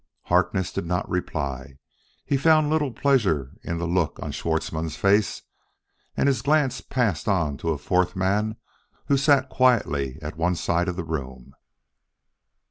Harkness did not reply. He found little pleasure in the look on Schwartzmann's face, and his glance passed on to a fourth man who sat quietly at one side of the room.